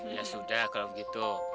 ya sudah kalau gitu